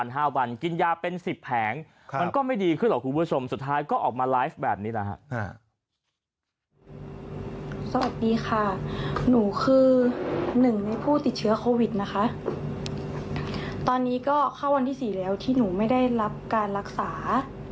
หนูคือหนึ่งในผู้ติดเชื้อโควิดนะคะตอนนี้ก็เข้าวันที่สี่แล้วที่หนูไม่ได้รับการรักษา